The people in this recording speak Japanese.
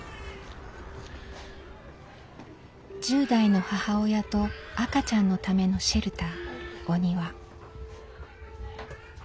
１０代の母親と赤ちゃんのためのシェルター「おにわ」。